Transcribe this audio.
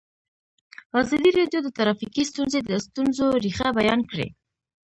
ازادي راډیو د ټرافیکي ستونزې د ستونزو رېښه بیان کړې.